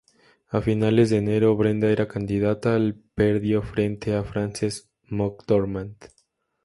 A finales de enero Brenda era candidata al -perdió frente a Frances McDormand-.